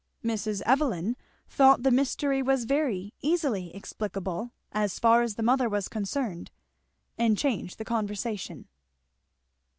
Mrs. Evelyn thought the mystery was very easily explicable as far as the mother was concerned; and changed the conversation.